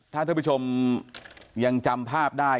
ถ้าท่านผู้ชมยังจำภาพได้